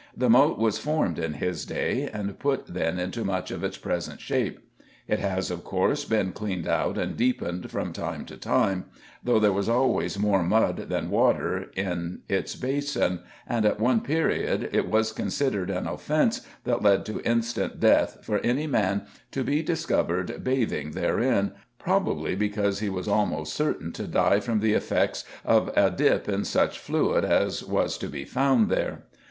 The Moat was formed in his day and put then into much of its present shape; it has, of course, been cleaned out and deepened from time to time, though there was always more mud than water in its basin, and, at one period, it was considered an offence that lead to instant death for any man to be discovered bathing therein, probably because he was almost certain to die from the effects of a dip in such fluid as was to be found there!